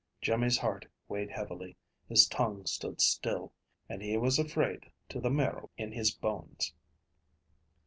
Jimmy's heart weighed heavily, his tongue stood still, and he was afraid to the marrow in his bones.